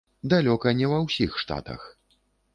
Далёка не ва ўсіх штатах.